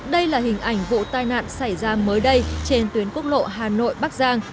đây là hình ảnh vụ tai nạn xảy ra mới đây trên tuyến quốc lộ hà nội bắc giang